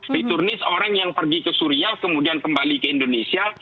di turnis orang yang pergi ke suria kemudian kembali ke indonesia